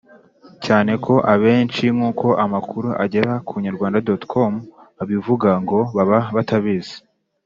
cyane ko abenshi nk'uko amakuru agera ku inyarwanda.com abivuga ngo baba batabizi.